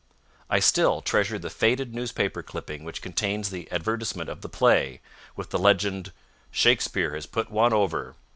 I still treasure the faded newspaper clipping which contains the advertisement of the play, with the legend, "Shakespeare has put one over.